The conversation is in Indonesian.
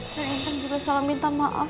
dan ibu juga selalu minta maaf